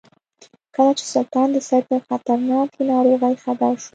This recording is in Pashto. کله چې سلطان د سید له خطرناکې ناروغۍ خبر شو.